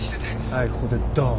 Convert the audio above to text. はいここでドーン。